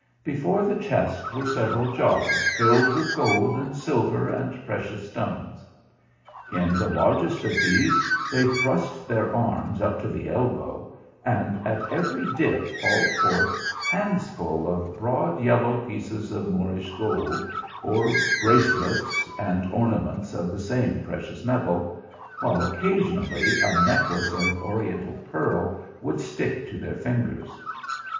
Before the chest were several jars filled with gold and silver and precious stones. In the largest of these they thrust their arms up to the elbow, and at every dip hauled forth hands full of broad yellow pieces of Moorish gold, or bracelets and ornaments of the same precious metal, while occasionally a necklace of oriental pearl would stick to their fingers.